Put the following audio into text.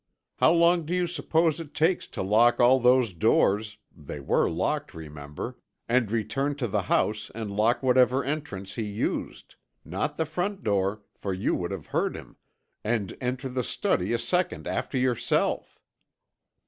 How long do you suppose it takes to lock all those doors they were locked, remember and return to the house and lock whatever entrance he used not the front door, for you would have heard him and enter the study a second after yourself?"